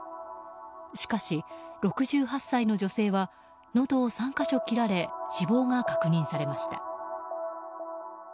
しかし、６８歳の女性はのどを３か所切られ死亡が確認されました。